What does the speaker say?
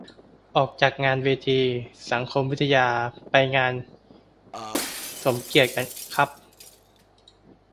ออกจากงานเวทีสังคมวิทยาไปงานสมเกียรติครับ